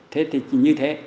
thế thì như thế